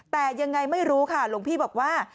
แต่ยังไงไม่รู้ค่ะหลวงพี่บอกว่า